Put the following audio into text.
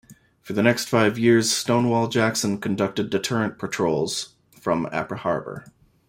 For the next five years "Stonewall Jackson" conducted deterrent patrols from Apra Harbor.